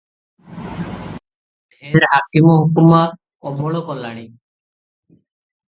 ଢେର ହାକିମ ହୁକୁମା ଅମଳ କଲାଣି ।